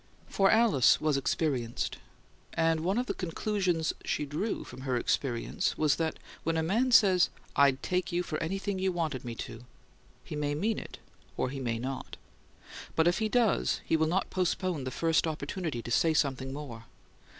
For Alice was experienced; and one of the conclusions she drew from her experience was that when a man says, "I'd take you for anything you wanted me to," he may mean it or, he may not; but, if he does, he will not postpone the first opportunity to say something more.